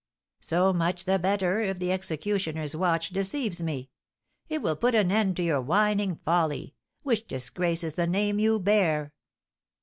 "So much the better if the executioner's watch deceives me! It will put an end to your whining folly, which disgraces the name you bear!"